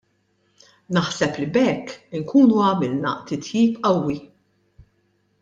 Naħseb li b'hekk inkunu għamilna titjib qawwi.